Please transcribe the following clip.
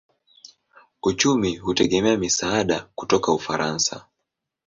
Uchumi hutegemea misaada kutoka Ufaransa.